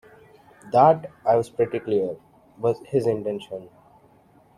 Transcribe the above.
That, I was pretty clear, was his intention.